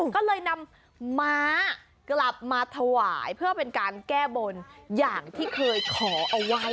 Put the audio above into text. ก็เลยนำม้ากลับมาถวายเพื่อเป็นการแก้บนอย่างที่เคยขอเอาไว้